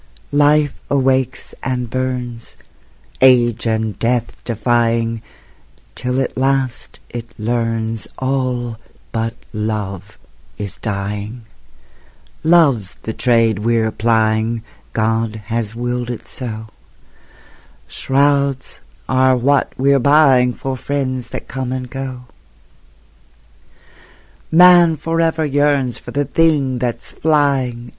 Life awakes and burns, Age and death defying, Till at last it learns All but Love is dying; Love's the trade we're plying, God has willed it so; Shrouds are what we're buying For friends that come and go. Man forever yearns For the thing that's flying.